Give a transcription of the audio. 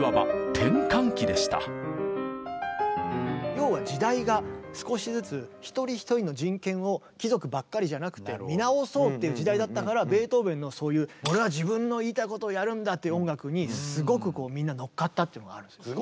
要は時代が少しずつ貴族ばっかりじゃなくて見直そうという時代だったからベートーベンのそういう俺は自分の言いたいことをやるんだっていう音楽にすごくみんな乗っかったっていうのがあるんですね。